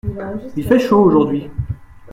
Il fait chaud aujourd’hui.